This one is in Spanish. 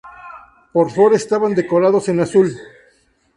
Por fuera estaban decorados en azul.